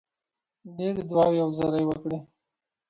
ډېرې دعاوي او زارۍ وکړې.